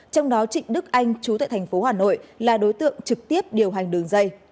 trong đó trịnh đức anh chú tại tp hà nội là đối tượng trực tiếp điều hành đường dây